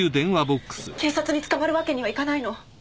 警察に捕まるわけにはいかないの！